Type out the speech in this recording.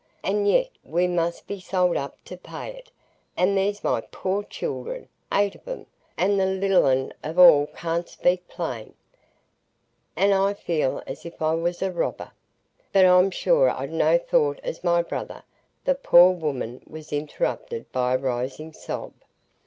—and yet we must be sold up to pay it, and there's my poor children,—eight of 'em, and the little un of all can't speak plain. And I feel as if I was a robber. But I'm sure I'd no thought as my brother——" The poor woman was interrupted by a rising sob.